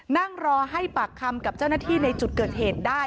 นั่งรอให้ปากคำกับเจ้าหน้าที่ในจุดเกิดเหตุได้